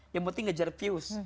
yang penting ngejar views